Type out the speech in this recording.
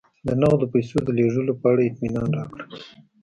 د نغدو پیسو د لېږلو په اړه اطمینان راکړه